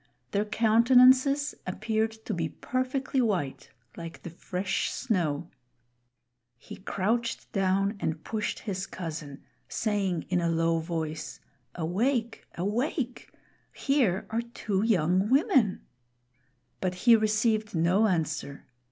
Their countenances appeared to be perfectly; white, like the fresh snow. He crouched down and pushed his cousin, saying in a low voice, "Awake! awake! here are two young women." But he received no answer.